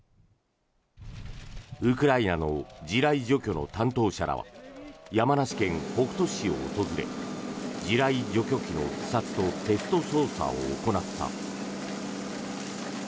ウクライナの地雷除去の担当者らは山梨県北杜市を訪れ地雷除去機の視察とテスト操作を行った。